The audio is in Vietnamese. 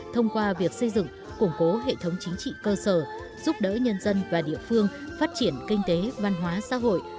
thông qua việc xây dựng củng cố hệ thống chính trị cơ sở giúp đỡ nhân dân và địa phương phát triển kinh tế văn hóa xã hội